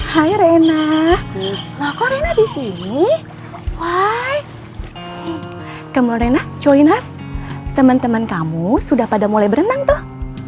hai rena hai rena disini why kemurena join us teman teman kamu sudah pada mulai berenang tuh